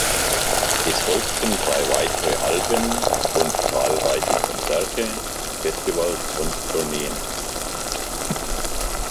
Es folgten drei weitere Alben und zahlreiche Konzerte, Festivals und Tourneen.